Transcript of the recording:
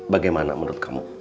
bagaimana menurut kamu